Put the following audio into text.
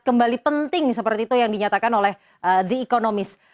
kembali penting seperti itu yang dinyatakan oleh the economist